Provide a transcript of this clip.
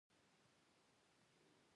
نو داسې د علاج مشورې هيڅوک هم نشي درکولے -